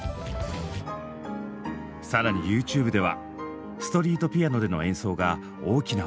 さらにＹｏｕＴｕｂｅではストリートピアノでの演奏が大きな話題に。